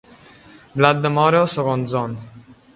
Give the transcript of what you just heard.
Blat de moro segons on.